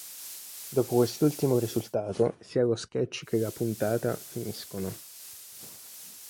Dopo quest'ultimo risultato sia lo sketch che la puntata finiscono.